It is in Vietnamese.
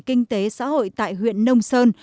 kinh tế xã hội tại huyện nông sơn